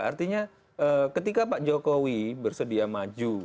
artinya ketika pak jokowi bersedia maju